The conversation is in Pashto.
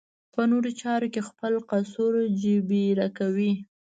په نورو چارو کې خپل قصور جبېره کوي.